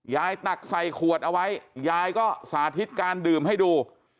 ตักใส่ขวดเอาไว้ยายก็สาธิตการดื่มให้ดู